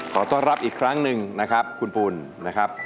ขอต้อนรับอีกครั้งหนึ่งครับคุณพูน